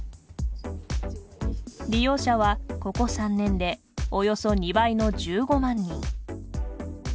利用者はここ３年でおよそ２倍の１５万人。